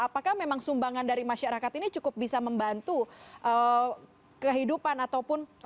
apakah memang sumbangan dari masyarakat ini cukup bisa membantu kehidupan ataupun